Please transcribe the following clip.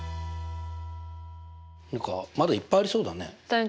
何かまだいっぱいありそうだね。